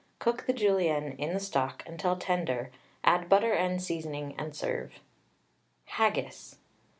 Cook the Julienne in the stock until tender, add butter and seasoning and serve. HAGGIS.